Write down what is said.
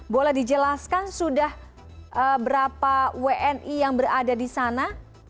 boleh dijelaskan sudah berapa wni yang berada di sana